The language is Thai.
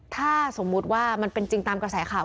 ถ้าสมมุติว่ามันเป็นจริงตามกระแสข่าว